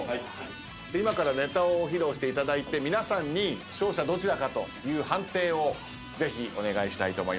今からネタを披露していただいて皆さんに勝者どちらかという判定をぜひお願いしたいと思います。